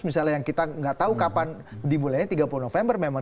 misalnya yang kita nggak tahu kapan dimulainya tiga puluh november memang